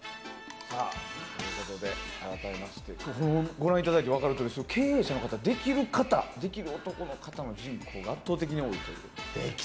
改めましてご覧いただいて分かるとおり経営者の方できる男の方の人口が圧倒的に多いそうです。